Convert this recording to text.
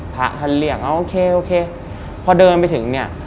พระท่านเรียกเอาโอเคโอเคพอเดินไปถึงเนี่ย